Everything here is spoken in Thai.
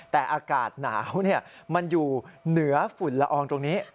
แต่อากาศหนาวมันอยู่เหนือฝุ่นละอองตรงนี้